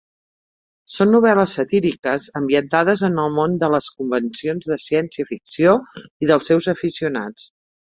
Són novel·les satíriques ambientades en el món de les convencions de ciència ficció i dels seus aficionats.